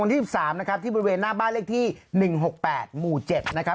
วันที่สามนะครับที่บริเวณหน้าบ้านเล็กที่หนึ่งหกแปดมู่เจ็ดนะครับ